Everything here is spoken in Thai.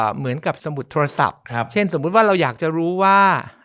เหมือนกับสมุดโทรศัพท์เช่นสมมุติว่าเราอยากจะรู้ว่า